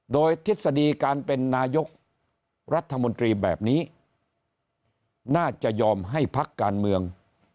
โดยทฤษฎีการเป็นนายกรัฐมนตรีแบบนี้น่าจะยอมให้พักการเมือง